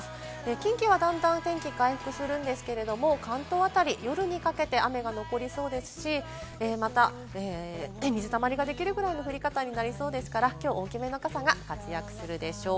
近畿は段々、天気が回復するんですけれども関東あたり夜にかけて雨が残りそうですし、また水たまりができるぐらいの降り方になりそうですから、きょうは大きめの傘が活躍するでしょう。